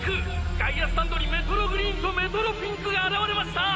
外野スタンドにメトログリーンとメトロピンクが現れました